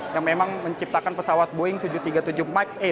yang memang menciptakan pesawat boeing tujuh ratus tiga puluh tujuh max delapan